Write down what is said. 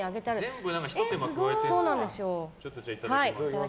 全部ひと手間加えてあるんだ。